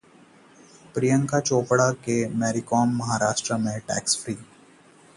प्रियंका चोपड़ा की मैरीकॉम महाराष्ट्र में tax free